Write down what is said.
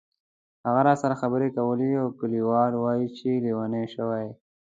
هغه راسره خبرې کوي او کلیوال وایي چې لیونی شوې.